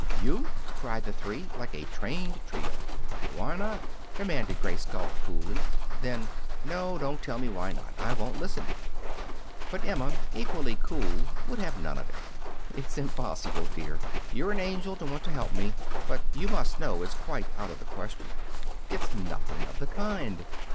"You!" cried the three, like a trained trio. "Why not?" demanded Grace Galt, coolly. Then: "No; don't tell me why not. I won't listen." But Emma, equally cool, would have none of it. "It's impossible, dear. You're an angel to want to help me. But you must know it's quite out of the question." "It's nothing of the kind.